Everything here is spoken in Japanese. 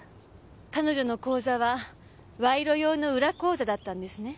彼女の口座は賄賂用の裏口座だったんですね？